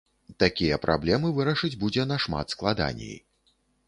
Такія праблемы вырашыць будзе нашмат складаней.